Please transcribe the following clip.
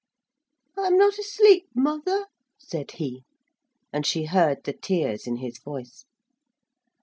'I'm not asleep, mother,' said he. And she heard the tears in his voice.